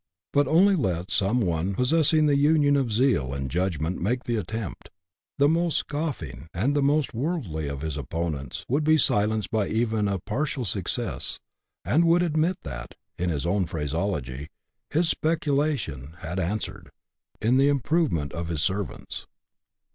But only let some one pos sessing the union of zeal and judgment make the attempt ; the most scoffing and most worldly of his opponents would be silenced by even a partial success, and would admit that, in his own phraseology, his " speculation had answered " in the im provement of his servants.